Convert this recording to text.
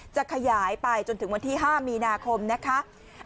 จะขยายไปจนถึงวันที่๕มีนาคมนะคะ